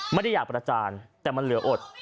ไม่ได้อยากประจานแต่มันเหลืออด